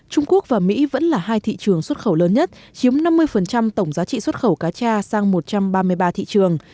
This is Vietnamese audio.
trung quốc và mỹ vẫn là hai thị trường xuất khẩu lớn nhất chiếm năm mươi tổng giá trị xuất khẩu cá tra sang một trăm ba mươi ba thị trường